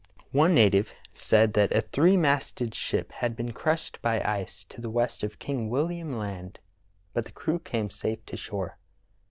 One native said that a three masted ship had been crushed by ice to the west of King William Land, but the crew came safe to shore.